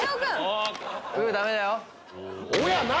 グダメだよ。